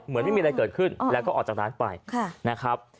ไม่มีอะไรเกิดขึ้นแล้วก็ออกจากร้านไปนะครับ